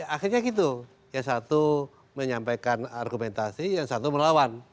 akhirnya gitu yang satu menyampaikan argumentasi yang satu melawan